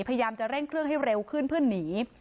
พยายามจะเร่งเครื่องให้เร็วขึ้นเพื่อหนี